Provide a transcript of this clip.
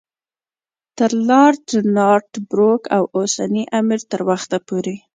تر لارډ نارت بروک او اوسني امیر تر وخته پورې.